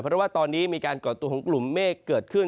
เพราะว่าตอนนี้มีการก่อตัวของกลุ่มเมฆเกิดขึ้น